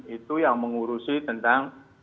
itu yang mengurusi tentang